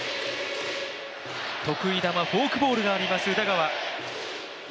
得意球、フォークボールがあります宇田川。